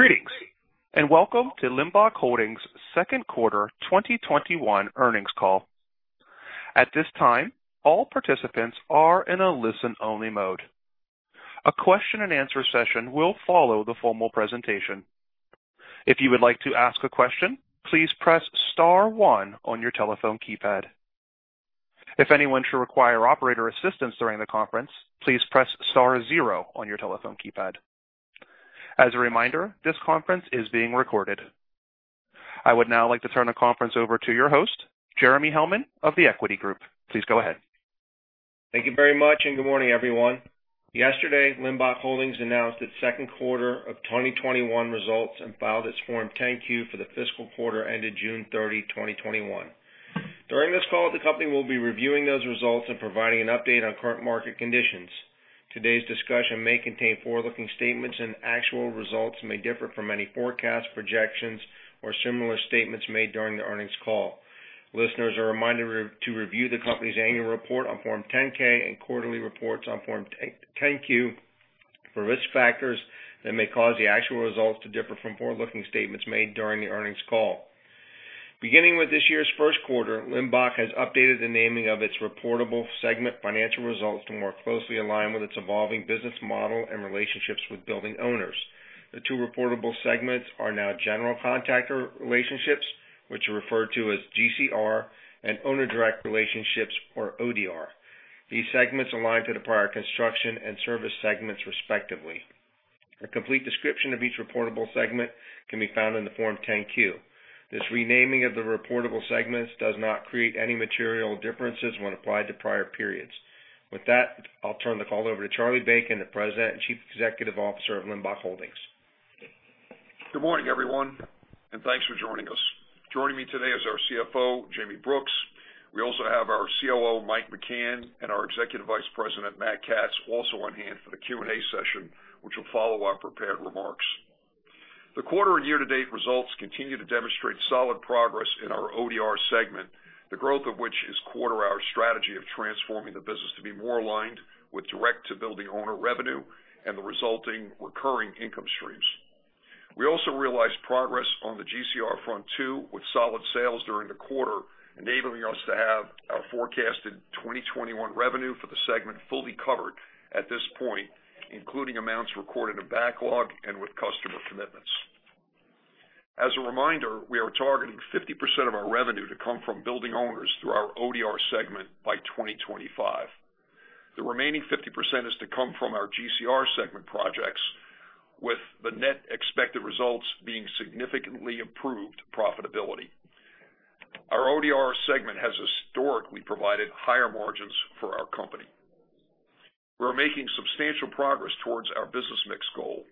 Greetings, and welcome to Limbach Holdings second quarter 2021 earnings call. At this time, all participants are in a listen-only mode. A question-and-answer session will follow the formal presentation. If you would like to ask a question, please press star one on your telephone keypad. If anyone should require operator assistance during the conference, please press star zero on your telephone keypad. As a reminder, this conference is being recorded. I would now like to turn the conference over to your host, Jeremy Hellman of The Equity Group. Please go ahead. Thank you very much, and good morning, everyone. Yesterday, Limbach Holdings announced its second quarter of 2021 results and filed its Form 10-Q for the fiscal quarter ended June 30, 2021. During this call, the company will be reviewing those results and providing an update on current market conditions. Today's discussion may contain forward-looking statements, and actual results may differ from any forecasts, projections, or similar statements made during the earnings call. Listeners are reminded to review the company's annual report on Form 10-K and quarterly reports on Form 10-Q for risk factors that may cause the actual results to differ from forward-looking statements made during the earnings call. Beginning with this year's first quarter, Limbach has updated the naming of its reportable segment financial results to more closely align with its evolving business model and relationships with building owners. The two reportable segments are now General Contractor Relationships, which are referred to as GCR, and Owner Direct Relationships, or ODR. These segments align to the prior Construction and Service segments respectively. A complete description of each reportable segment can be found in the Form 10-Q. This renaming of the reportable segments does not create any material differences when applied to prior periods. With that, I'll turn the call over to Charlie Bacon, the President and Chief Executive Officer of Limbach Holdings. Good morning, everyone, and thanks for joining us. Joining me today is our CFO, Jayme Brooks. We also have our COO, Mike McCann, and our Executive Vice President, Matt Katz, also on hand for the Q&A session, which will follow our prepared remarks. The quarter and year-to-date results continue to demonstrate solid progress in our ODR segment, the growth of which is core to our strategy of transforming the business to be more aligned with direct-to-building owner revenue and the resulting recurring income streams. We also realized progress on the GCR front too, with solid sales during the quarter, enabling us to have our forecasted 2021 revenue for the segment fully covered at this point, including amounts recorded in backlog and with customer commitments. As a reminder, we are targeting 50% of our revenue to come from building owners through our ODR segment by 2025. The remaining 50% is to come from our GCR segment projects, with the net expected results being significantly improved profitability. Our ODR segment has historically provided higher margins for our company. We're making substantial progress towards our business mix goal.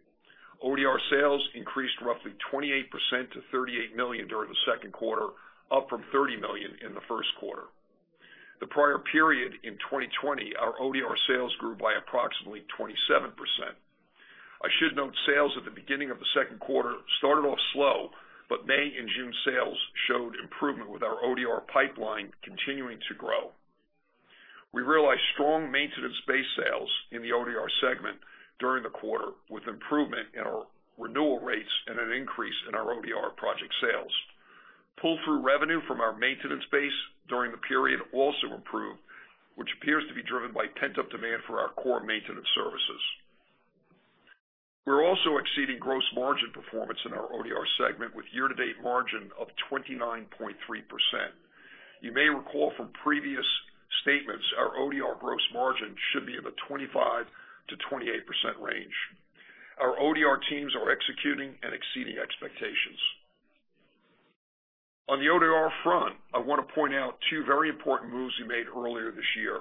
ODR sales increased roughly 28% to $38 million during the second quarter, up from $30 million in the first quarter. The prior period in 2020, our ODR sales grew by approximately 27%. I should note sales at the beginning of the second quarter started off slow, but May and June sales showed improvement with our ODR pipeline continuing to grow. We realized strong maintenance-based sales in the ODR segment during the quarter, with improvement in our renewal rates and an increase in our ODR project sales. Pull-through revenue from our maintenance base during the period also improved, which appears to be driven by pent-up demand for our core maintenance services. We're also exceeding gross margin performance in our ODR segment, with year-to-date margin of 29.3%. You may recall from previous statements, our ODR gross margin should be in the 25%-28% range. Our ODR teams are executing and exceeding expectations. On the ODR front, I want to point out two very important moves we made earlier this year.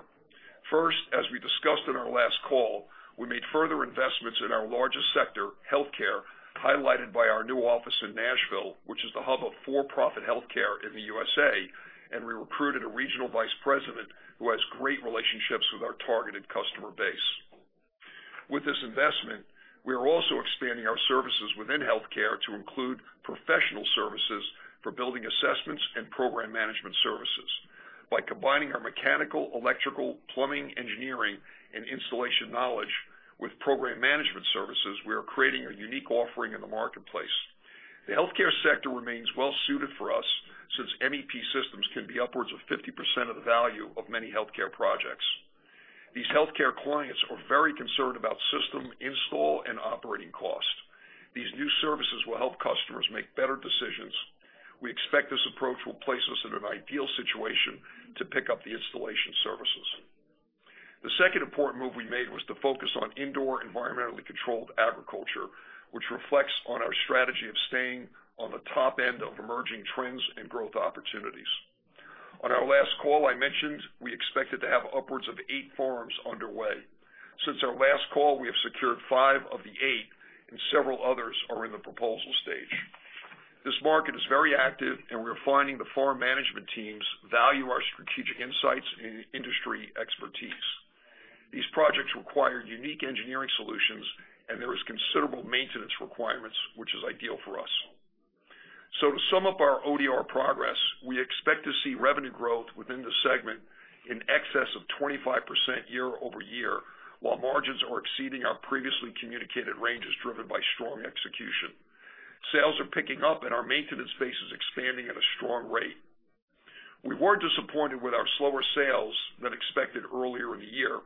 First, as we discussed on our last call, we made further investments in our largest sector, healthcare, highlighted by our new office in Nashville, which is the hub of for-profit healthcare in the U.S.A., and we recruited a regional vice president who has great relationships with our targeted customer base. With this investment, we are also expanding our services within healthcare to include professional services for building assessments and program management services. By combining our mechanical, electrical, plumbing, engineering, and installation knowledge with program management services, we are creating a unique offering in the marketplace. The healthcare sector remains well-suited for us, since MEP systems can be upwards of 50% of the value of many healthcare projects. These healthcare clients are very concerned about system install and operating cost. These new services will help customers make better decisions. We expect this approach will place us in an ideal situation to pick up the installation services. The second important move we made was to focus on indoor environmentally controlled agriculture, which reflects on our strategy of staying on the top end of emerging trends and growth opportunities. On our last call, I mentioned we expected to have upwards of eight farms underway. Since our last call, we have secured five of the eight, and several others are in the proposal stage. This market is very active, and we're finding the firm management teams value our strategic insights and industry expertise. These projects require unique engineering solutions, and there is considerable maintenance requirements, which is ideal for us. To sum up our ODR progress, we expect to see revenue growth within the segment in excess of 25% year-over-year, while margins are exceeding our previously communicated ranges driven by strong execution. Sales are picking up and our maintenance base is expanding at a strong rate. We were disappointed with our slower sales than expected earlier in the year,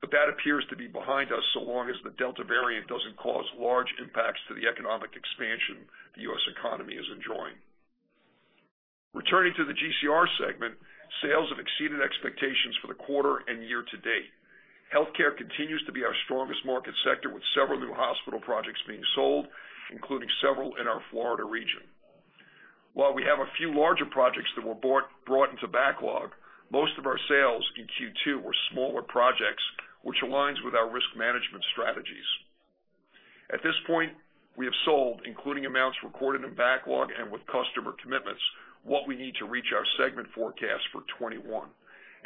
but that appears to be behind us so long as the Delta variant doesn't cause large impacts to the economic expansion the U.S. economy is enjoying. Returning to the GCR segment, sales have exceeded expectations for the quarter and year-to-date. Healthcare continues to be our strongest market sector, with several new hospital projects being sold, including several in our Florida region. While we have a few larger projects that were brought into backlog, most of our sales in Q2 were smaller projects, which aligns with our risk management strategies. At this point, we have sold, including amounts recorded in backlog and with customer commitments, what we need to reach our segment forecast for 2021,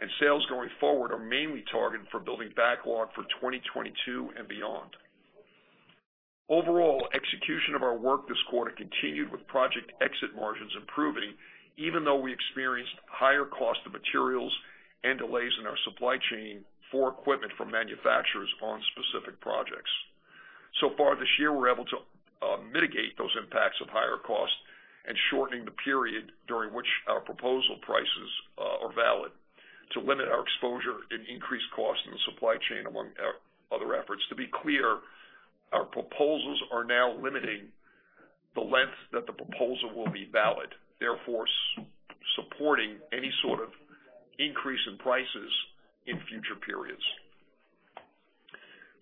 and sales going forward are mainly targeted for building backlog for 2022 and beyond. Overall, execution of our work this quarter continued with project exit margins improving even though we experienced higher cost of materials and delays in our supply chain for equipment from manufacturers on specific projects. So far this year, we're able to mitigate those impacts of higher costs and shortening the period during which our proposal prices are valid to limit our exposure in increased costs in the supply chain, among other efforts. To be clear, our proposals are now limiting the length that the proposal will be valid, therefore supporting any sort of increase in prices in future periods.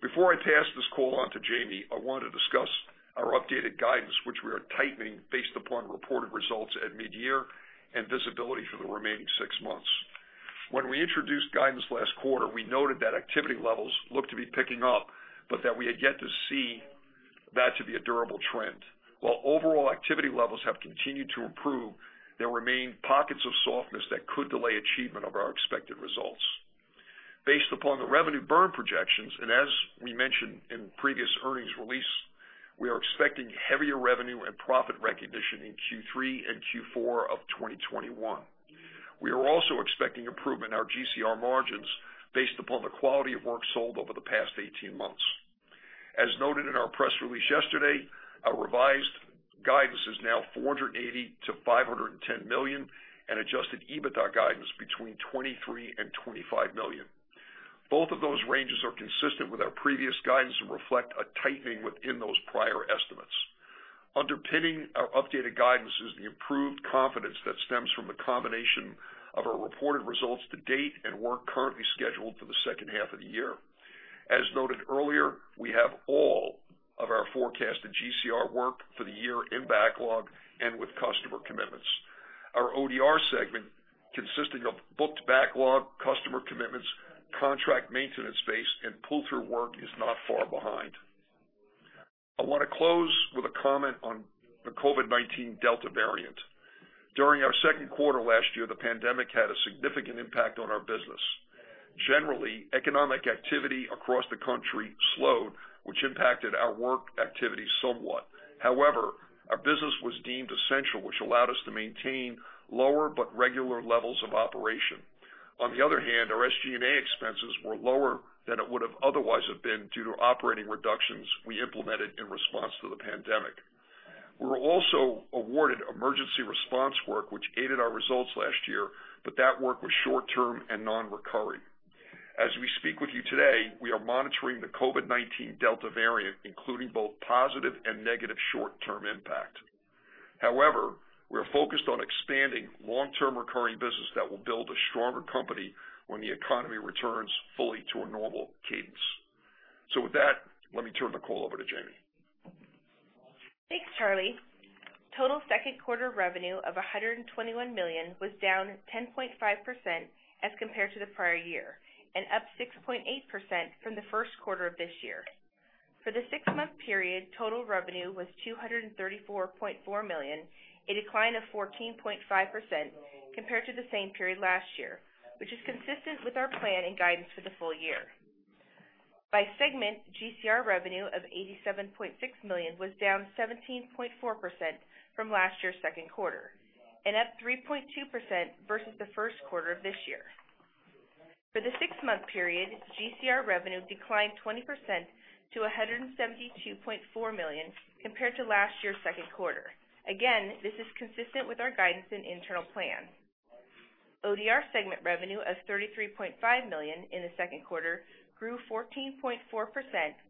Before I pass this call on to Jayme, I want to discuss our updated guidance, which we are tightening based upon reported results at mid-year and visibility for the remaining six months. When we introduced guidance last quarter, we noted that activity levels looked to be picking up, but that we had yet to see that to be a durable trend. While overall activity levels have continued to improve, there remain pockets of softness that could delay achievement of our expected results. Based upon the revenue burn projections, as we mentioned in previous earnings release, we are expecting heavier revenue and profit recognition in Q3 and Q4 of 2021. We are also expecting improvement in our GCR margins based upon the quality of work sold over the past 18 months. As noted in our press release yesterday, our revised guidance is now $480 million-$510 million and adjusted EBITDA guidance between $23 million and $25 million. Both of those ranges are consistent with our previous guidance and reflect a tightening within those prior estimates. Underpinning our updated guidance is the improved confidence that stems from the combination of our reported results to date and work currently scheduled for the second half of the year. As noted earlier, we have all of our forecasted GCR work for the year in backlog and with customer commitments. Our ODR segment, consisting of booked backlog, customer commitments, contract maintenance base, and pull-through work, is not far behind. I want to close with a comment on the COVID-19 Delta variant. During our second quarter last year, the pandemic had a significant impact on our business. Generally, economic activity across the country slowed, which impacted our work activity somewhat. However, our business was deemed essential, which allowed us to maintain lower but regular levels of operation. On the other hand, our SG&A expenses were lower than it would have otherwise have been due to operating reductions we implemented in response to the pandemic. We were also awarded emergency response work, which aided our results last year, but that work was short-term and non-recurring. As we speak with you today, we are monitoring the COVID-19 Delta variant, including both positive and negative short-term impact. We are focused on expanding long-term recurring business that will build a stronger company when the economy returns fully to a normal cadence. With that, let me turn the call over to Jayme. Thanks, Charlie. Total second quarter revenue of $121 million was down 10.5% as compared to the prior year and up 6.8% from the first quarter of this year. For the six-month period, total revenue was $234.4 million, a decline of 14.5% compared to the same period last year, which is consistent with our plan and guidance for the full year. By segment, GCR revenue of $87.6 million was down 17.4% from last year's second quarter and up 3.2% versus the first quarter of this year. For the six-month period, GCR revenue declined 20% to $172.4 million compared to last year's second quarter. Again, this is consistent with our guidance and internal plan. ODR segment revenue of $33.5 million in the second quarter grew 14.4%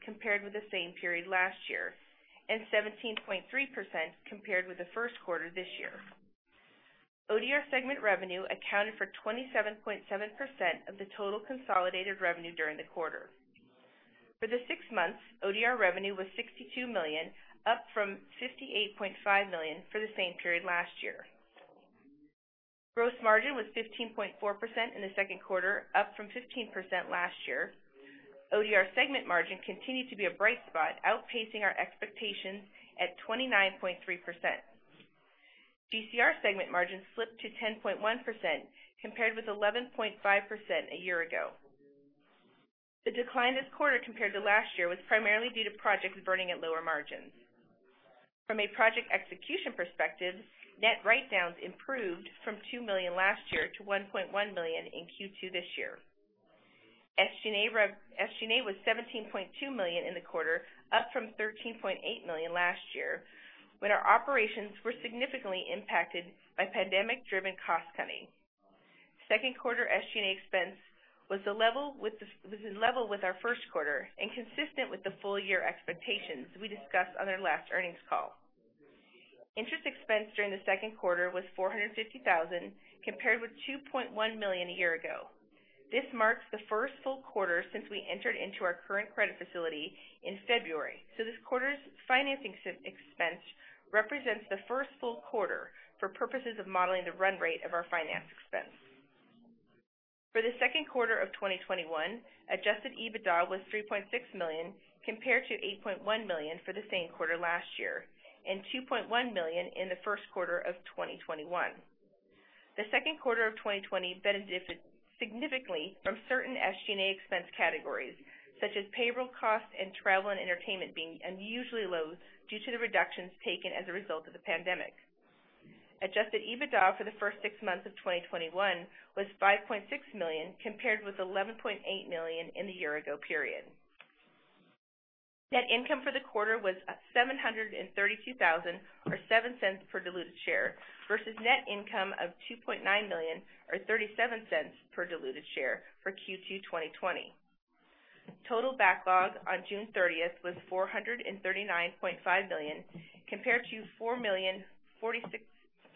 compared with the same period last year and 17.3% compared with the first quarter this year. ODR segment revenue accounted for 27.7% of the total consolidated revenue during the quarter. For the six months, ODR revenue was $62 million, up from $58.5 million for the same period last year. Gross margin was 15.4% in the second quarter, up from 15% last year. ODR segment margin continued to be a bright spot, outpacing our expectations at 29.3%. GCR segment margin slipped to 10.1% compared with 11.5% a year ago. The decline this quarter compared to last year was primarily due to projects burning at lower margins. From a project execution perspective, net write-downs improved from $2 million last year to $1.1 million in Q2 this year. SG&A was $17.2 million in the quarter, up from $13.8 million last year, when our operations were significantly impacted by pandemic-driven cost-cutting. Second quarter SG&A expense was in level with our first quarter and consistent with the full year expectations we discussed on our last earnings call. Interest expense during the second quarter was $450,000, compared with $2.1 million a year ago. This marks the first full quarter since we entered into our current credit facility in February, so this quarter's financing expense represents the first full quarter for purposes of modeling the run rate of our finance expense. For the second quarter of 2021, adjusted EBITDA was $3.6 million, compared to $8.1 million for the same quarter last year, and $2.1 million in the first quarter of 2021. The second quarter of 2020 benefited significantly from certain SG&A expense categories, such as payroll costs and travel and entertainment being unusually low due to the reductions taken as a result of the pandemic. Adjusted EBITDA for the first six months of 2021 was $5.6 million, compared with $11.8 million in the year ago period. Net income for the quarter was $732,000, or $0.07 per diluted share, versus net income of $2.9 million or $0.37 per diluted share for Q2 2020. Total backlog on June 30th was $439.5 million, compared to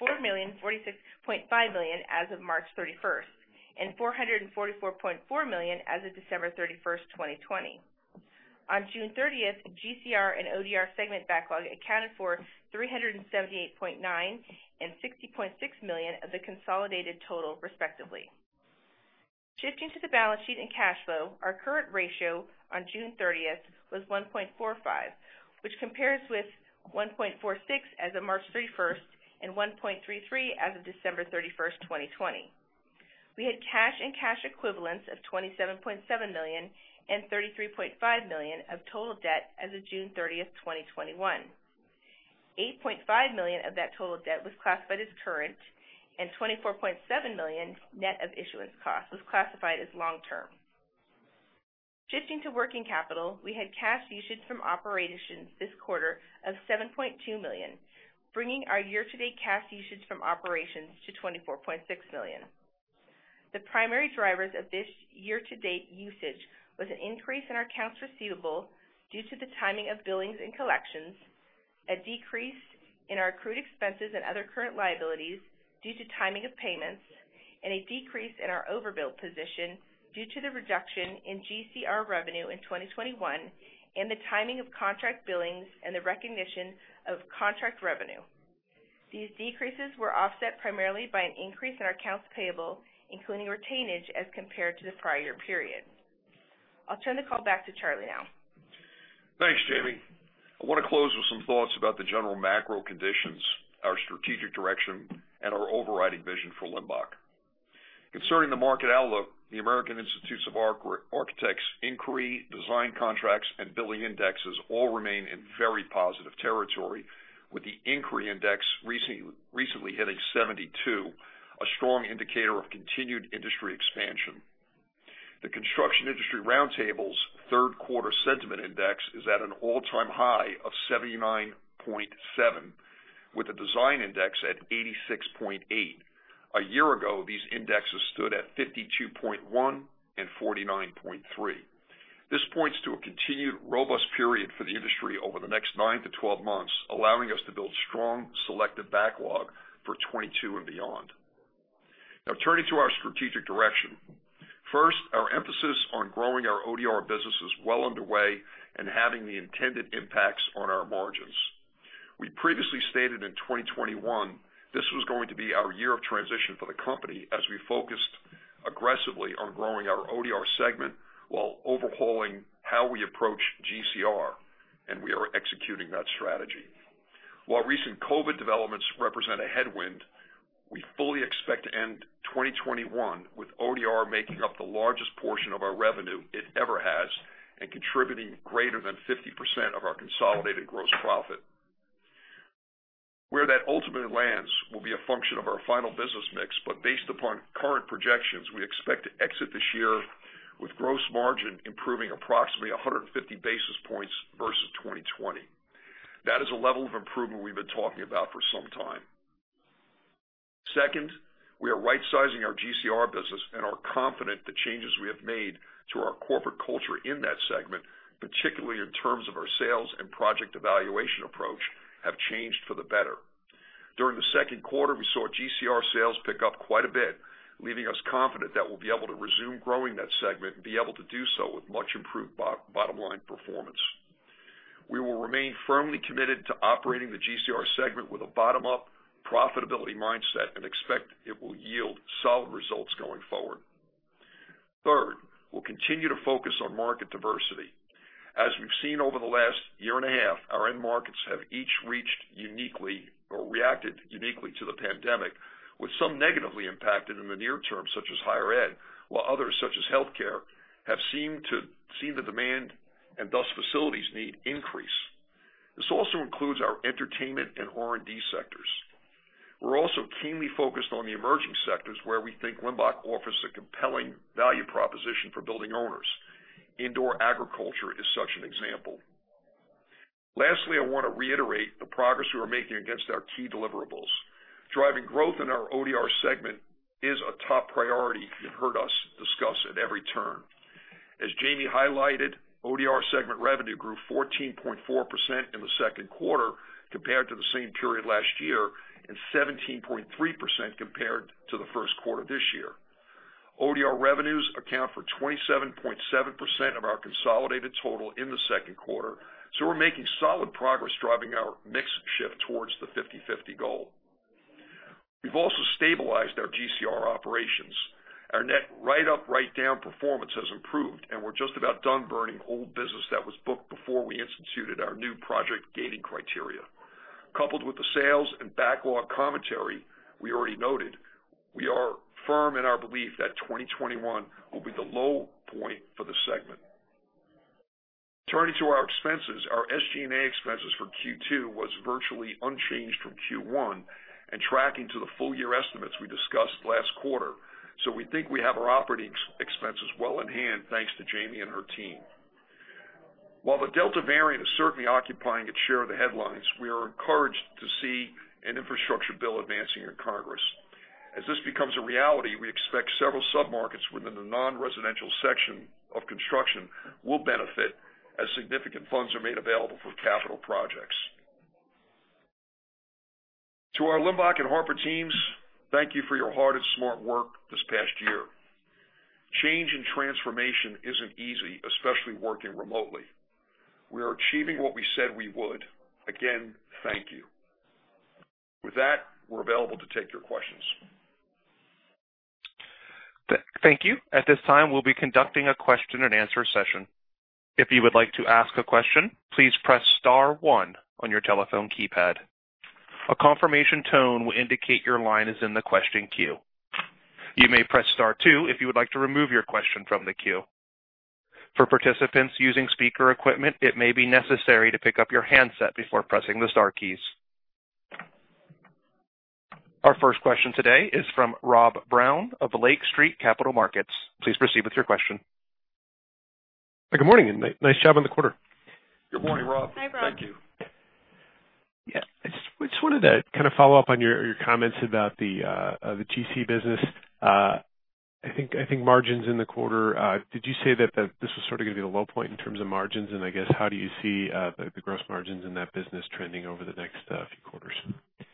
$4.5 million as of March 31st, and $444.4 million as of December 31st, 2020. On June 30th, GCR and ODR segment backlog accounted for $378.9 million and $60.6 million of the consolidated total, respectively. Shifting to the balance sheet and cash flow, our current ratio on June 30th was 1.45, which compares with 1.46 as of March 31st and 1.33 as of December 31st, 2020. We had cash and cash equivalents of $27.7 million and $33.5 million of total debt as of June 30th, 2021. $8.5 million of that total debt was classified as current, and $24.7 million net of issuance costs was classified as long-term. Shifting to working capital, we had cash usage from operations this quarter of $7.2 million, bringing our year-to-date cash usage from operations to $24.6 million. The primary drivers of this year-to-date usage was an increase in our accounts receivable due to the timing of billings and collections, a decrease in our accrued expenses and other current liabilities due to timing of payments, and a decrease in our overbilled position due to the reduction in GCR revenue in 2021 and the timing of contract billings and the recognition of contract revenue. These decreases were offset primarily by an increase in our accounts payable, including retainage, as compared to the prior period. I'll turn the call back to Charlie now. Thanks, Jayme. I want to close with some thoughts about the general macro conditions, our strategic direction, and our overriding vision for Limbach. Concerning the market outlook, the American Institute of Architects inquiry, design contracts, and billing indexes all remain in very positive territory, with the inquiry index recently hitting 72, a strong indicator of continued industry expansion. The Construction Industry Round Table's third quarter sentiment index is at an all-time high of 79.7, with the design index at 86.8. A year ago, these indexes stood at 52.1 and 49.3. This points to a continued robust period for the industry over the next 9-12 months, allowing us to build strong selective backlog for 2022 and beyond. Turning to our strategic direction. First, our emphasis on growing our ODR business is well underway and having the intended impacts on our margins. We previously stated in 2021, this was going to be our year of transition for the company as we focused aggressively on growing our ODR segment while overhauling how we approach GCR, and we are executing that strategy. While recent COVID developments represent a headwind, we fully expect to end 2021 with ODR making up the largest portion of our revenue it ever has and contributing greater than 50% of our consolidated gross profit. Where that ultimately lands will be a function of our final business mix, but based upon current projections, we expect to exit this year with gross margin improving approximately 150 basis points versus 2020. That is a level of improvement we've been talking about for some time. Second, we are rightsizing our GCR business and are confident the changes we have made to our corporate culture in that segment, particularly in terms of our sales and project evaluation approach, have changed for the better. During the second quarter, we saw GCR sales pick up quite a bit, leaving us confident that we'll be able to resume growing that segment and be able to do so with much improved bottom-line performance. We will remain firmly committed to operating the GCR segment with a bottom-up profitability mindset and expect it will yield solid results going forward. Third, we'll continue to focus on market diversity. As we've seen over the last year and a half, our end markets have each reached uniquely or reacted uniquely to the pandemic, with some negatively impacted in the near term, such as higher ed, while others, such as healthcare, have seen the demand, and thus facilities need, increase. This also includes our entertainment and R&D sectors. We're also keenly focused on the emerging sectors, where we think Limbach offers a compelling value proposition for building owners. Indoor agriculture is such an example. Lastly, I want to reiterate the progress we are making against our key deliverables. Driving growth in our ODR segment is a top priority you've heard us discuss at every turn. As Jayme highlighted, ODR segment revenue grew 14.4% in the second quarter compared to the same period last year, and 17.3% compared to the first quarter this year. ODR revenues account for 27.7% of our consolidated total in the second quarter. We're making solid progress driving our mix shift towards the 50/50 goal. We've also stabilized our GCR operations. Our net write-up, write-down performance has improved, and we're just about done burning old business that was booked before we instituted our new project gating criteria. Coupled with the sales and backlog commentary we already noted, we are firm in our belief that 2021 will be the low point for the segment. Turning to our expenses, our SG&A expenses for Q2 was virtually unchanged from Q1 and tracking to the full year estimates we discussed last quarter. We think we have our operating expenses well in hand thanks to Jayme and her team. While the Delta variant is certainly occupying its share of the headlines, we are encouraged to see an infrastructure bill advancing in Congress. As this becomes a reality, we expect several sub-markets within the non-residential section of construction will benefit as significant funds are made available for capital projects. To our Limbach and Harper teams, thank you for your hard and smart work this past year. Change and transformation isn't easy, especially working remotely. We are achieving what we said we would. Again, thank you. With that, we're available to take your questions. Thank you. At this time, we'll be conducting a question-and-answer session. If you would like to ask a question, please press star one on your telephone keypad. A confirmation tone will indicate your line is in the question queue. You may press star two if you would like to remove your question from the queue. For participants using speaker equipment, it may be necessary to pick up your handset before pressing the star keys. Our first question today is from Rob Brown of Lake Street Capital Markets. Please proceed with your question. Good morning. Nice job on the quarter. Good morning, Rob. Hi, Rob. Thank you. Yeah. I just wanted to follow up on your comments about the GCR business. I think margins in the quarter, did you say that this was sort of going to be the low point in terms of margins, and I guess, how do you see the gross margins in that business trending over the next few quarters? Yeah.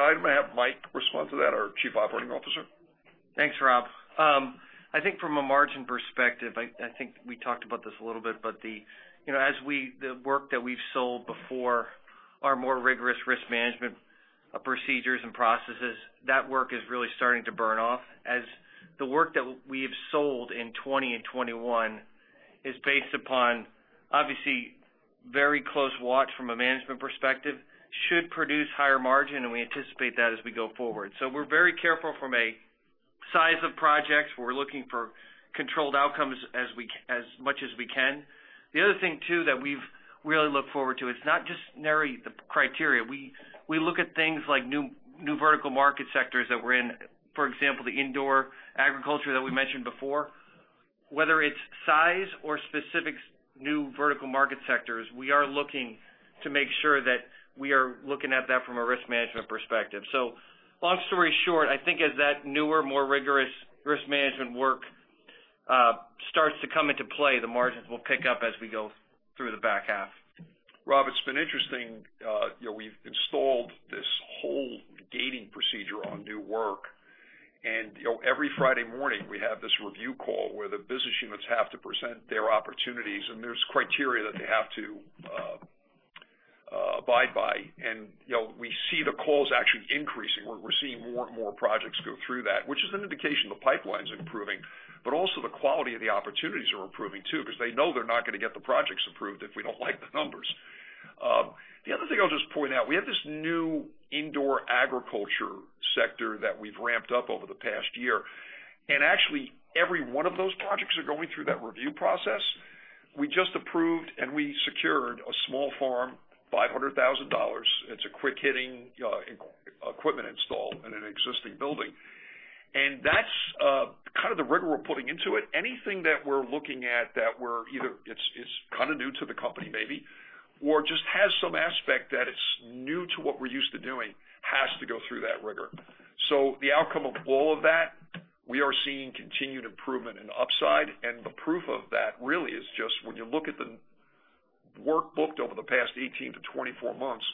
I'm going to have Mike respond to that, our Chief Operating Officer. Thanks, Rob. From a margin perspective, I think we talked about this a little bit, but the work that we've sold before our more rigorous risk management procedures and processes, that work is really starting to burn off, as the work that we have sold in 2020 and 2021 is based upon, obviously, very close watch from a management perspective, should produce higher margin, and we anticipate that as we go forward. We're very careful from a size of projects. We're looking for controlled outcomes as much as we can. The other thing, too, that we've really looked forward to, it's not just narrowly the criteria. We look at things like new vertical market sectors that we're in. For example, the indoor agriculture that we mentioned before. Whether it's size or specific new vertical market sectors, we are looking to make sure that we are looking at that from a risk management perspective. Long story short, I think as that newer, more rigorous risk management work starts to come into play, the margins will pick up as we go through the back half. Rob, it's been interesting. We've installed this whole gating procedure on new work. Every Friday morning, we have this review call where the business units have to present their opportunities, and there's criteria that they have to abide by. We see the calls actually increasing. We're seeing more and more projects go through that, which is an indication the pipeline's improving. Also, the quality of the opportunities are improving, too, because they know they're not going to get the projects approved if we don't like the numbers. The other thing I'll just point out, we have this new indoor agriculture sector that we've ramped up over the past year. Actually, every one of those projects are going through that review process. We just approved, and we secured a small farm, $500,000. It's a quick hitting equipment install in an existing building. That's kind of the rigor we're putting into it. Anything that we're looking at that we're either, it's kind of new to the company maybe, or just has some aspect that it's new to what we're used to doing, has to go through that rigor. The outcome of all of that, we are seeing continued improvement in the upside, and the proof of that really is just when you look at the work booked over the past 18-24 months,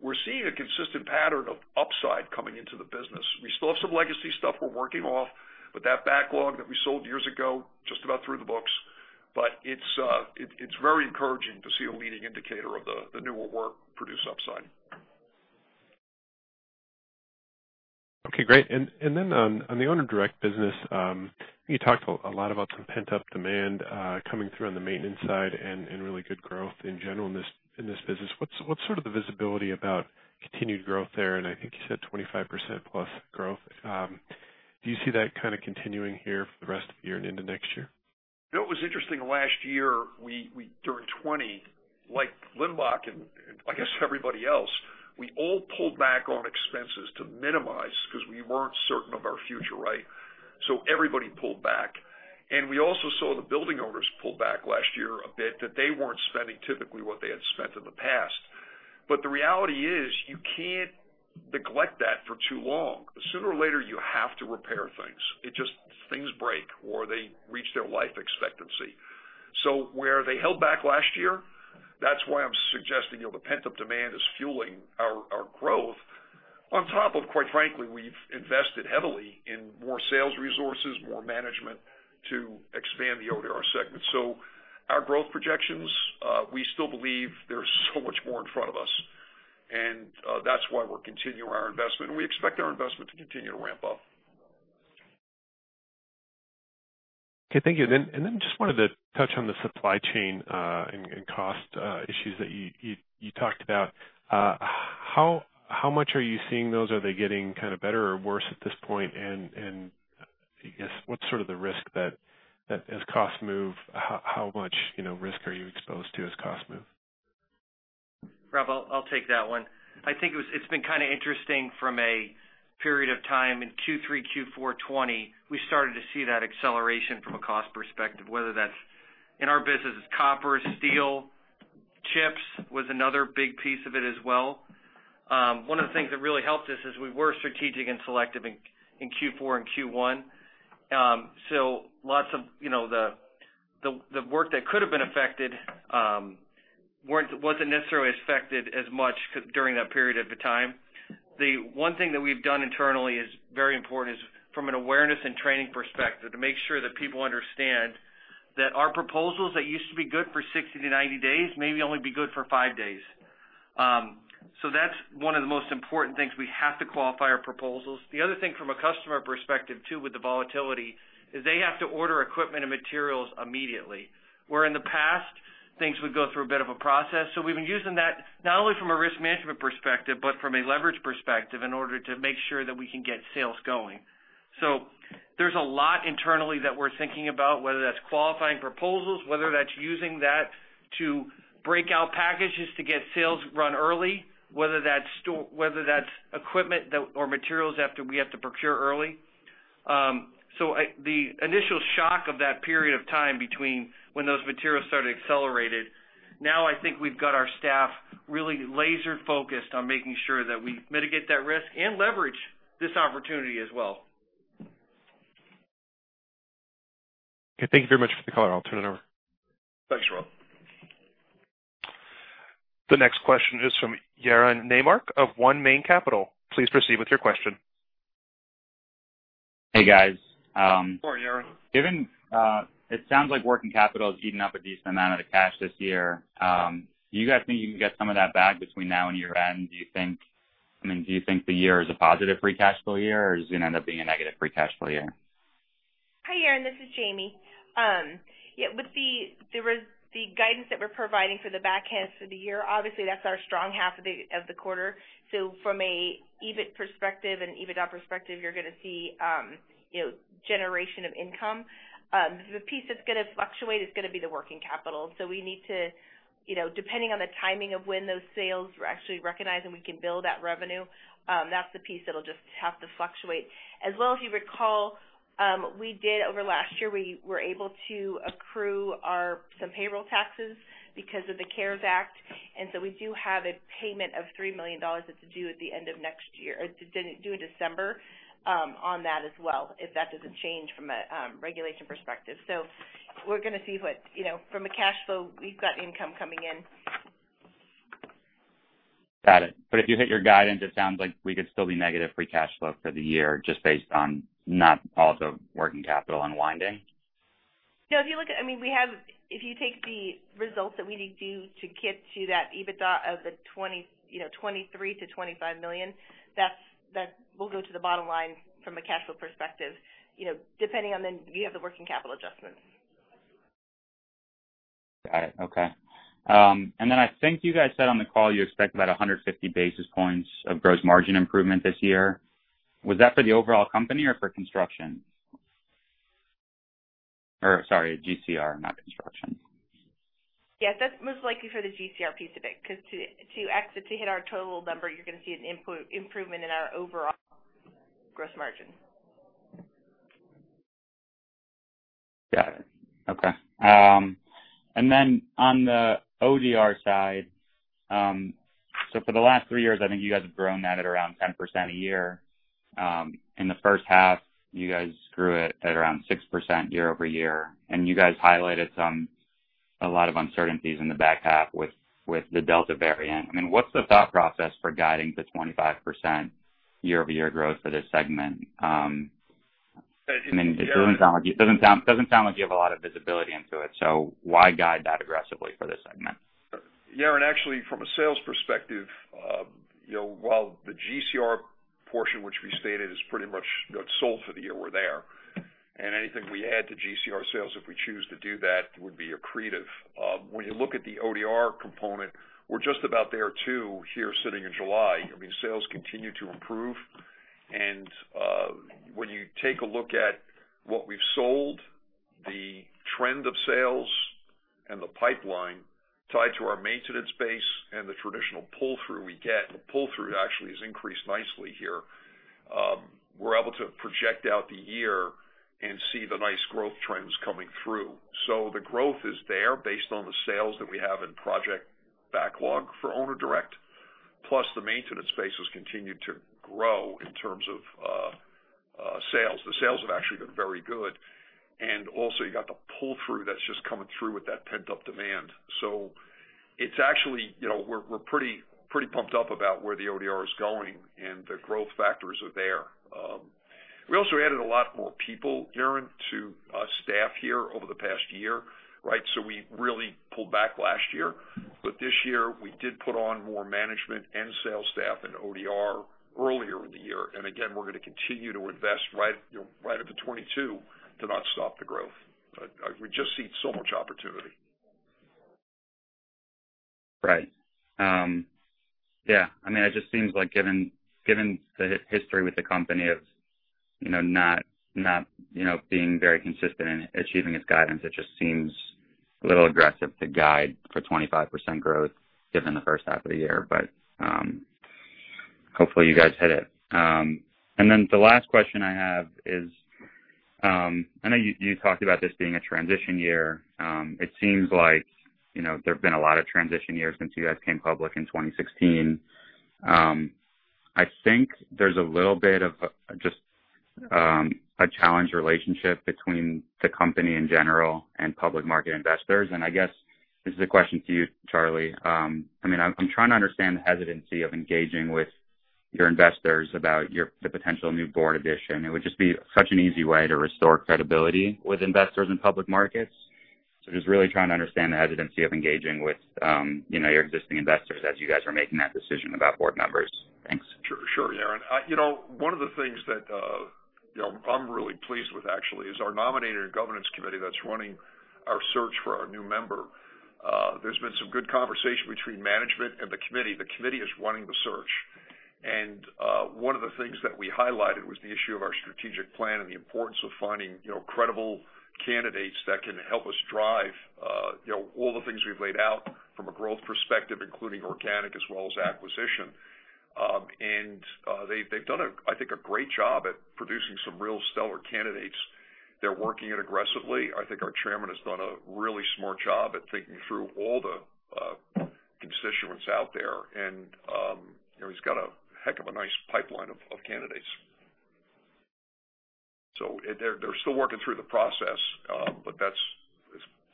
we're seeing a consistent pattern of upside coming into the business. We still have some legacy stuff we're working off with that backlog that we sold years ago, just about through the books. It's very encouraging to see a leading indicator of the newer work produce upside. Okay, great. On the Owner Direct business, you talked a lot about some pent-up demand coming through on the maintenance side and really good growth in general in this business. What's the visibility about continued growth there? I think you said 25%+ growth. Do you see that kind of continuing here for the rest of the year and into next year? You know, what was interesting last year, during 2020, like Limbach and I guess everybody else, we all pulled back on expenses to minimize because we weren't certain of our future, right? Everybody pulled back. We also saw the building owners pull back last year a bit, that they weren't spending typically what they had spent in the past. The reality is, you can't neglect that for too long. Sooner or later, you have to repair things. It's just things break, or they reach their life expectancy. Where they held back last year, that's why I'm suggesting the pent-up demand is fueling our growth on top of, quite frankly, we've invested heavily in more sales resources, more management to expand the ODR segment. Our growth projections, we still believe there's so much more in front of us, and that's why we're continuing our investment, and we expect our investment to continue to ramp up. Okay. Thank you. Just wanted to touch on the supply chain and cost issues that you talked about. How much are you seeing those? Are they getting kind of better or worse at this point? I guess what's sort of the risk that as costs move, how much risk are you exposed to as costs move? Rob, I'll take that one. I think it's been kind of interesting from a period of time in Q3, Q4 2020, we started to see that acceleration from a cost perspective, whether that's in our business, it's copper, steel. Chips was another big piece of it as well. One of the things that really helped us is we were strategic and selective in Q4 and Q1. Lots of the work that could have been affected wasn't necessarily affected as much during that period of the time. The one thing that we've done internally is very important is from an awareness and training perspective, to make sure that people understand that our proposals that used to be good for 60-90 days may only be good for five days. That's one of the most important things. We have to qualify our proposals. The other thing from a customer perspective, too, with the volatility, is they have to order equipment and materials immediately. Where in the past, things would go through a bit of a process. We've been using that, not only from a risk management perspective, but from a leverage perspective in order to make sure that we can get sales going. There's a lot internally that we're thinking about, whether that's qualifying proposals, whether that's using that to break out packages to get sales run early, whether that's equipment or materials we have to procure early. The initial shock of that period of time between when those materials started accelerated. Now I think we've got our staff really laser-focused on making sure that we mitigate that risk and leverage this opportunity as well. Okay. Thank you very much for the color. I'll turn it over. Thanks, Rob. The next question is from Yaron Naymark of 1 Main Capital. Please proceed with your question. Hey, guys. Good morning, Yaron. It sounds like working capital has eaten up a decent amount of the cash this year. Do you guys think you can get some of that back between now and year-end? Do you think the year is a positive free cash flow year, or is it going to end up being a negative free cash flow year? Hi, Yaron. This is Jayme. With the guidance that we're providing for the back half of the year, obviously that's our strong half of the quarter. From a EBIT perspective and EBITDA perspective, you're going to see generation of income. The piece that's going to fluctuate is going to be the working capital. We need to, depending on the timing of when those sales are actually recognized, and we can bill that revenue, that's the piece that'll just have to fluctuate. As well, if you recall, we did over last year, we were able to accrue some payroll taxes because of the CARES Act, we do have a payment of $3 million that's due at the end of next year, due in December, on that as well, if that doesn't change from a regulation perspective. We're going to see from a cash flow, we've got income coming in. Got it. If you hit your guidance, it sounds like we could still be negative free cash flow for the year just based on not all of the working capital unwinding. No. If you take the results that we need to do to get to that EBITDA of the $23 million-$25 million, that will go to the bottom line from a cash flow perspective, depending on then we have the working capital adjustment. Got it. Okay. I think you guys said on the call you expect about 150 basis points of gross margin improvement this year. Was that for the overall company or for Construction? Sorry, GCR, not Construction. That's most likely for the GCR piece of it, because to hit our total number, you're going to see an improvement in our overall gross margin. On the ODR side, for the last three years, I think you guys have grown that at around 10% a year. In the first half, you guys grew it at around 6% year-over-year, and you guys highlighted a lot of uncertainties in the back half with the Delta variant. What's the thought process for guiding to 25% year-over-year growth for this segment? I mean, it doesn't sound like you have a lot of visibility into it, why guide that aggressively for this segment? Yaron, actually, from a sales perspective, while the GCR portion, which we stated is pretty much sold for the year, we're there. Anything we add to GCR sales, if we choose to do that, would be accretive. When you look at the ODR component, we're just about there too, here sitting in July. I mean, sales continue to improve. When you take a look at what we've sold, the trend of sales, and the pipeline tied to our maintenance base and the traditional pull-through we get, the pull-through actually has increased nicely here. We're able to project out the year and see the nice growth trends coming through. The growth is there based on the sales that we have in project backlog for Owner Direct. Plus, the maintenance base has continued to grow in terms of sales. The sales have actually been very good. Also you got the pull-through that's just coming through with that pent-up demand. We're pretty pumped up about where the ODR is going, and the growth factors are there. We also added a lot more people, Yaron, to staff here over the past year. We really pulled back last year. This year, we did put on more management and sales staff in ODR earlier in the year. Again, we're going to continue to invest right into 2022 to not stop the growth. We just see so much opportunity. Right. Yeah. I mean, it just seems like given the history with the company of not being very consistent in achieving its guidance, it just seems a little aggressive to guide for 25% growth given the first half of the year. Hopefully you guys hit it. The last question I have is, I know you talked about this being a transition year. It seems like there have been a lot of transition years since you guys came public in 2016. I think there's a little bit of just a challenged relationship between the company in general and public market investors. I guess this is a question to you, Charlie. I mean, I'm trying to understand the hesitancy of engaging with your investors about the potential new board addition. It would just be such an easy way to restore credibility with investors in public markets. Just really trying to understand the hesitancy of engaging with your existing investors as you guys are making that decision about board members. Thanks. Sure, Yaron. One of the things that I'm really pleased with actually is our Nominating and Governance Committee that's running our search for our new member. There's been some good conversation between management and the committee. The committee is running the search. One of the things that we highlighted was the issue of our strategic plan and the importance of finding credible candidates that can help us drive all the things we've laid out from a growth perspective, including organic as well as acquisition. They've done, I think, a great job at producing some real stellar candidates. They're working it aggressively. I think our chairman has done a really smart job at thinking through all the constituents out there. He's got a heck of a nice pipeline of candidates. They're still working through the process, but that's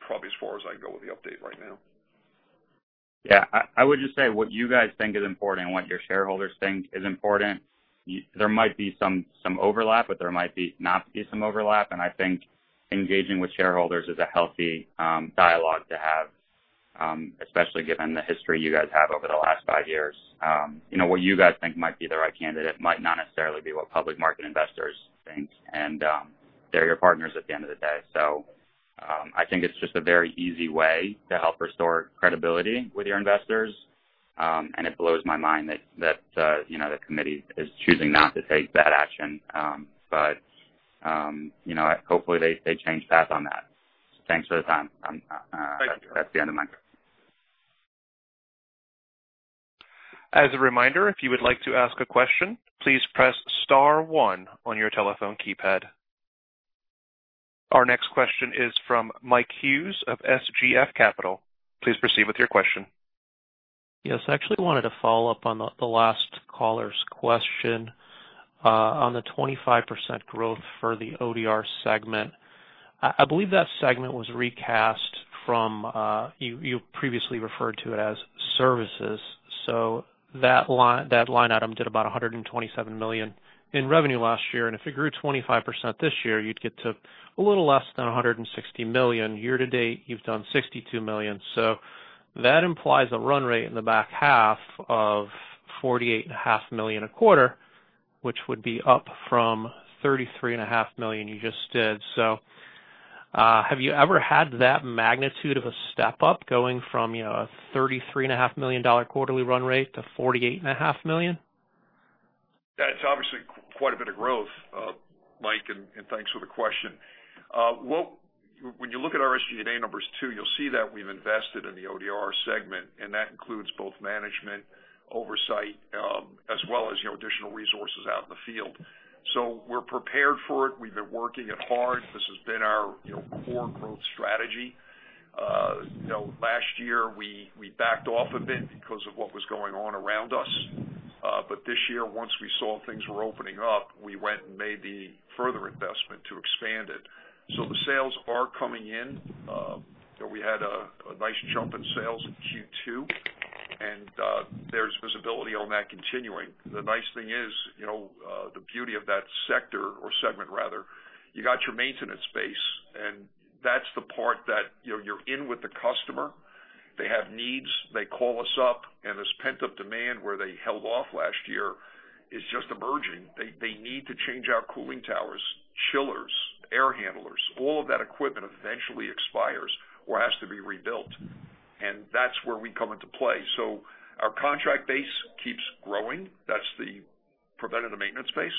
probably as far as I can go with the update right now. Yeah, I would just say what you guys think is important and what your shareholders think is important, there might be some overlap, but there might not be some overlap. I think engaging with shareholders is a healthy dialogue to have, especially given the history you guys have over the last five years. What you guys think might be the right candidate might not necessarily be what public market investors think, and they're your partners at the end of the day. I think it's just a very easy way to help restore credibility with your investors. It blows my mind that the committee is choosing not to take that action. Hopefully they change path on that. Thanks for the time. Thank you. That's the end of my turn. As a reminder, if you would like to ask a question, please press star one on your telephone keypad. Our next question is from Mike Hughes of SGF Capital. Please proceed with your question. Yes, I actually wanted to follow up on the last caller's question on the 25% growth for the ODR segment. I believe that segment was recast from, you previously referred to it as services. That line item did about $127 million in revenue last year. If it grew 25% this year, you'd get to a little less than $160 million. Year to date, you've done $62 million. That implies a run rate in the back half of $48.5 million a quarter, which would be up from $33.5 million you just did. Have you ever had that magnitude of a step-up going from a $33.5 million quarterly run rate to $48.5 million? That's obviously quite a bit of growth, Mike, and thanks for the question. When you look at our SG&A numbers too, you'll see that we've invested in the ODR segment, and that includes both management oversight as well as additional resources out in the field. We're prepared for it. We've been working it hard. This has been our core growth strategy. Last year, we backed off a bit because of what was going on around us. This year, once we saw things were opening up, we went and made the further investment to expand it. The sales are coming in. We had a nice jump in sales in Q2. There's visibility on that continuing. The nice thing is, the beauty of that sector or segment rather, you got your maintenance base, and that's the part that you're in with the customer. They have needs. They call us up. This pent-up demand where they held off last year is just emerging. They need to change out cooling towers, chillers, air handlers. All of that equipment eventually expires or has to be rebuilt, and that's where we come into play. Our contract base keeps growing. That's the preventative maintenance base.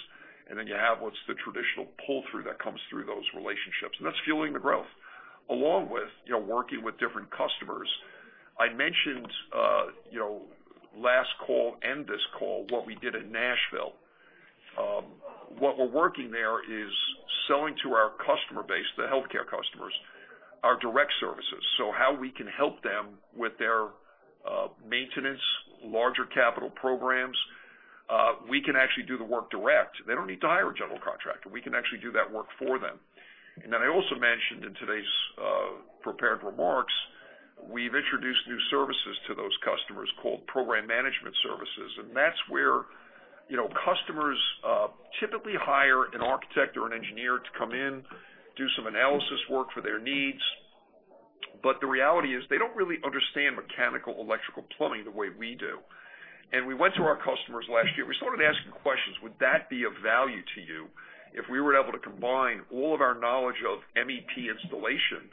Then you have what's the traditional pull-through that comes through those relationships, and that's fueling the growth, along with working with different customers. I mentioned, last call and this call, what we did at Nashville. What we're working there is selling to our customer base, the healthcare customers, our direct services, how we can help them with their maintenance, larger capital programs. We can actually do the work direct. They don't need to hire a general contractor. We can actually do that work for them. Then I also mentioned in today's prepared remarks, we've introduced new services to those customers called program management services. That's where customers typically hire an architect or an engineer to come in, do some analysis work for their needs. The reality is they don't really understand mechanical, electrical, plumbing the way we do. We went to our customers last year. We started asking questions, "Would that be of value to you if we were able to combine all of our knowledge of MEP installation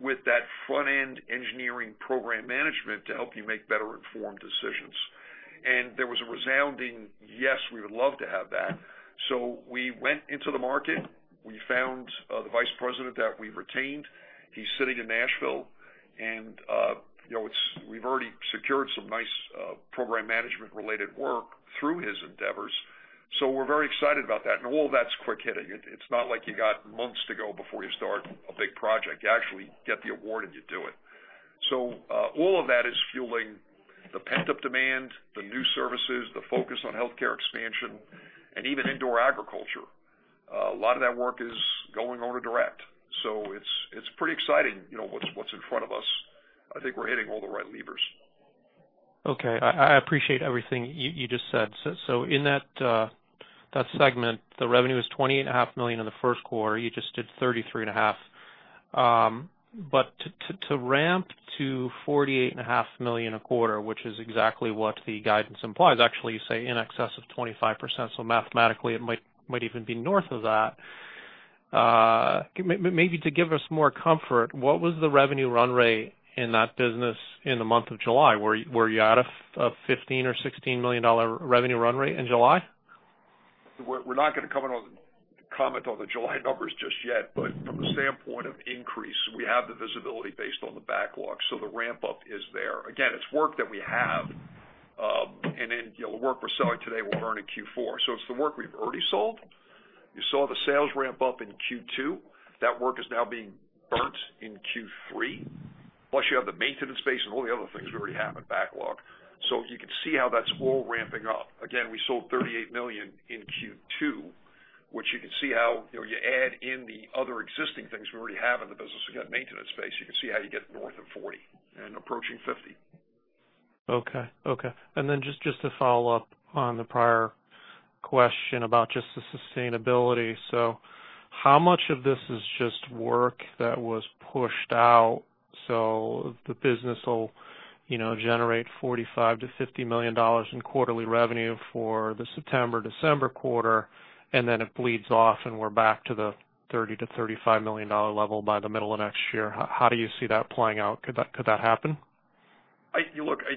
with that front-end engineering program management to help you make better informed decisions?" There was a resounding, "Yes, we would love to have that." We went into the market. We found the vice president that we retained. He's sitting in Nashville, and we've already secured some nice program management-related work through his endeavors. We're very excited about that. All that's quick-hitting. It's not like you got months to go before you start a big project. You actually get the award, and you do it. All of that is fueling the pent-up demand, the new services, the focus on healthcare expansion, and even indoor agriculture. A lot of that work is going order direct. It's pretty exciting what's in front of us. I think we're hitting all the right levers. Okay. I appreciate everything you just said. In that segment, the revenue is $28.5 million in the first quarter. You just did $33.5 million. To ramp to $48.5 million a quarter, which is exactly what the guidance implies, actually, you say in excess of 25%, so mathematically, it might even be north of that. Maybe to give us more comfort, what was the revenue run rate in that business in the month of July? Were you at a $15 million or $16 million revenue run rate in July? We're not going to comment on the July numbers just yet, but from the standpoint of increase, we have the visibility based on the backlog, so the ramp-up is there. It's work that we have. The work we're selling today, we'll earn in Q4. It's the work we've already sold. You saw the sales ramp up in Q2. That work is now being burnt in Q3. Plus, you have the maintenance space and all the other things we already have in backlog. You can see how that's all ramping up. We sold $38 million in Q2, which you can see how you add in the other existing things we already have in the business. Maintenance space, you can see how you get north of $40 million and approaching $50 million. Okay. Just to follow up on the prior question about just the sustainability. How much of this is just work that was pushed out, so the business will generate $45 million-$50 million in quarterly revenue for the September-December quarter, and then it bleeds off, and we're back to the $30 million-$35 million level by the middle of next year. How do you see that playing out? Could that happen? I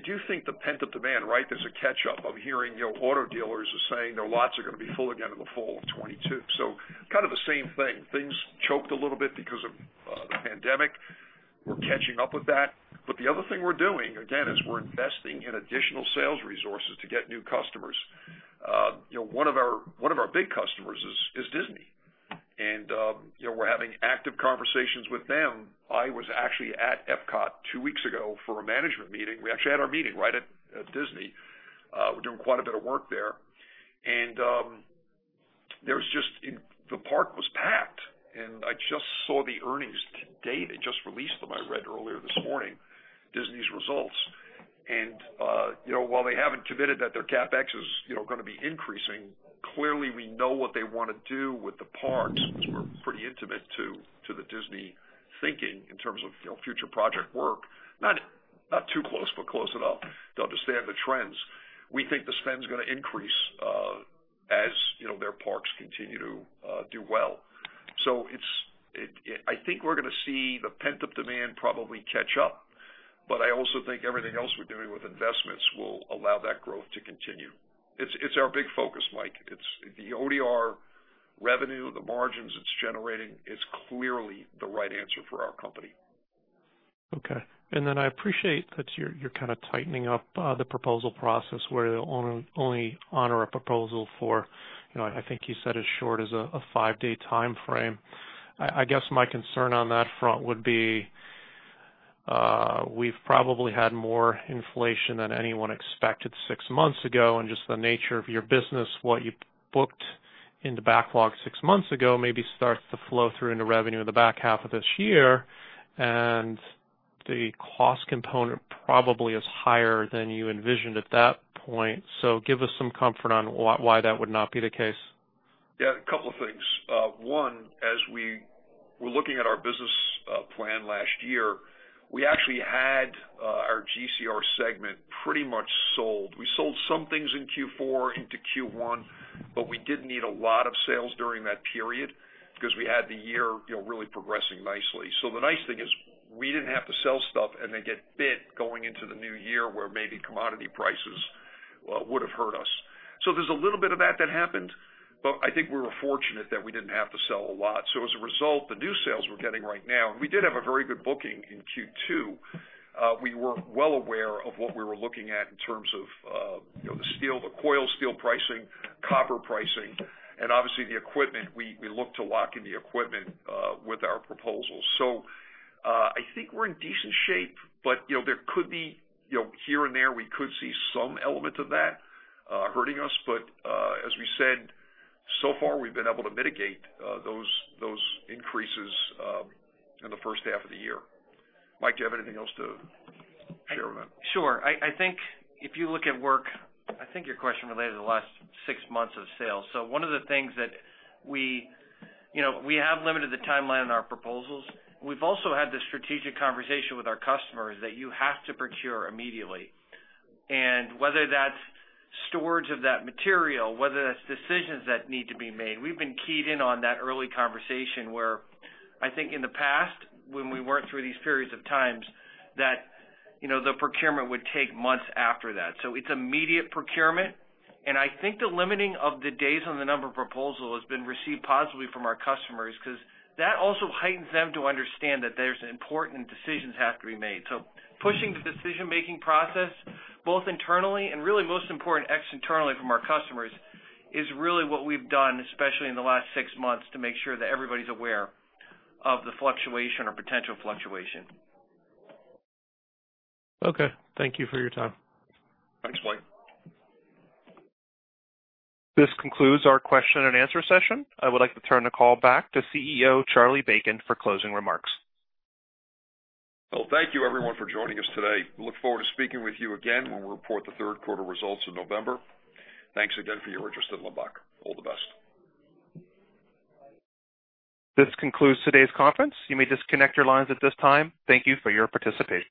do think the pent-up demand, there's a catch-up. I'm hearing auto dealers are saying their lots are going to be full again in the fall of 2022. Kind of the same thing. Things choked a little bit because of the pandemic. We're catching up with that. The other thing we're doing, again, is we're investing in additional sales resources to get new customers. One of our big customers is Disney, and we're having active conversations with them. I was actually at Epcot two weeks ago for a management meeting. We actually had our meeting right at Disney. We're doing quite a bit of work there. The park was packed, and I just saw the earnings today. They just released them, I read earlier this morning, Disney's results. While they haven't committed that their CapEx is going to be increasing, clearly we know what they want to do with the parks because we're pretty intimate to the Disney thinking in terms of future project work. Not too close, but close enough to understand the trends. We think the spend's going to increase as their parks continue to do well. I think we're going to see the pent-up demand probably catch up, but I also think everything else we're doing with investments will allow that growth to continue. It's our big focus, Mike. The ODR revenue, the margins it's generating, it's clearly the right answer for our company. Okay. I appreciate that you're kind of tightening up the proposal process where you'll only honor a proposal for, I think you said as short as a five-day timeframe. I guess my concern on that front would be, we've probably had more inflation than anyone expected six months ago, and just the nature of your business, what you booked in the backlog six months ago, maybe starts to flow through into revenue in the back half of this year, and the cost component probably is higher than you envisioned at that point. Give us some comfort on why that would not be the case. Yeah, a couple of things. One, as we were looking at our business plan last year, we actually had our GCR segment pretty much sold. We sold some things in Q4 into Q1, but we didn't need a lot of sales during that period because we had the year really progressing nicely. The nice thing is we didn't have to sell stuff and then get bit going into the new year, where maybe commodity prices would have hurt us. There's a little bit of that that happened, but I think we were fortunate that we didn't have to sell a lot. As a result, the new sales we're getting right now, and we did have a very good booking in Q2. We were well aware of what we were looking at in terms of the coil steel pricing, copper pricing, and obviously the equipment. We look to lock in the equipment with our proposals. I think we're in decent shape, but here and there, we could see some element of that hurting us. As we said, so far, we've been able to mitigate those increases in the first half of the year. Mike, do you have anything else to share on that? Sure. I think if you look at work, I think your question related to the last six months of sales. One of the things that we have limited the timeline on our proposals. We've also had the strategic conversation with our customers that you have to procure immediately. Whether that's storage of that material, whether that's decisions that need to be made, we've been keyed in on that early conversation where I think in the past, when we worked through these periods of times, that the procurement would take months after that. It's immediate procurement, and I think the limiting of the days on the number of proposals has been received positively from our customers because that also heightens them to understand that there's important decisions have to be made. Pushing the decision-making process both internally and really most important, externally from our customers, is really what we've done, especially in the last six months, to make sure that everybody's aware of the fluctuation or potential fluctuation. Okay. Thank you for your time. Thanks, Mike. This concludes our question-and-answer session. I would like to turn the call back to CEO Charlie Bacon for closing remarks. Well, thank you everyone for joining us today. We look forward to speaking with you again when we report the third quarter results in November. Thanks again for your interest in Limbach. All the best. This concludes today's conference. You may disconnect your lines at this time. Thank you for your participation.